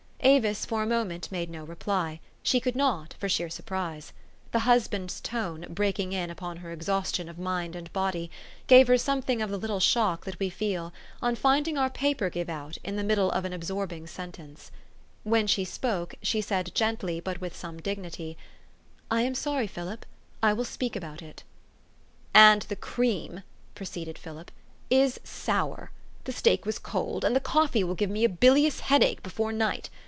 Avis for a moment made no icply : she could not for sheer surprise. The husband's tone, breaking in upon her exhaustion of mind and body, gave her something of the little shock that we feel on finding our paper give out in the middle of an absorbing 280 THE STORY OF AVIS. sentence. When she spoke, she said gently, but with some dignity, " I am sorry, Philip : I will speak about it." "And the cream," proceeded Philip, "is sour. The steak was cold ; and the coffee will give me a bilious headache before night.